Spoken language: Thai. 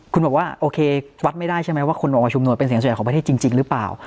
คุณบอกว่าโอเควัดไม่ได้ใช่ไหมว่าคนออกมาชุมนุมเป็นเสียงส่วนใหญ่ของประเทศจริงหรือเปล่า